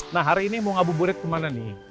nah hari ini mau ngabuburit kemana nih